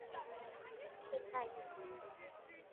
顺带一提